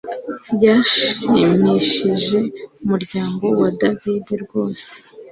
Byashimishije umuryango wa David rwose